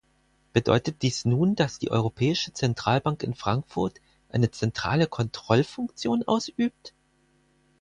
Bedeutet dies nun, dass die Europäische Zentralbank in Frankfurt eine zentrale Kontrollfunktion ausübt?